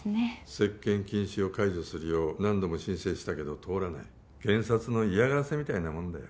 接見禁止を解除するよう何度も申請したけど通らない検察の嫌がらせみたいなもんだよ